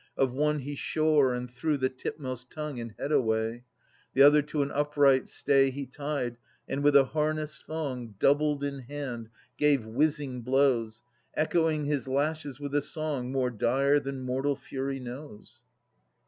Of one he shore and threw The tipmost tongue and head away ; The other to an upright stay He tied, and with a harness thong Doubled in hand, gave whizzing blows, Echoing his lashes with a song More dire than mortal fury knows.